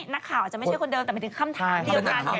นักข่าวอาจจะไม่ใช่คนเดิมแต่เป็นถึงคำถามเดิมมาก